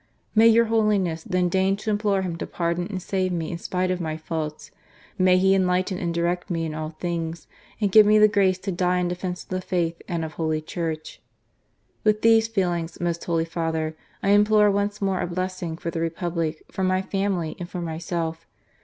May your Holiness then deign to implore Him to pardon and save me in spite of my faults. May He enlighten and direct me in all things, and give me the grace to die in defence of the Faith and of Holy Church. ... With these feelings, most Holy Father, I implore once more a blessing for the Republic, for my family, and for myself.